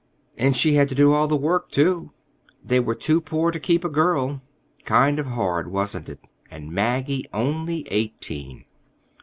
And she had to do all the work, too. They were too poor to keep a girl. Kind of hard, wasn't it?—and Maggie only eighteen!"